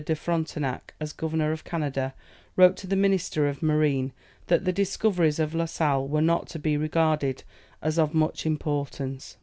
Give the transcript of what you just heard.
de Frontenac as governor of Canada, wrote to the Minister of Marine, that the discoveries of La Sale were not to be regarded as of much importance.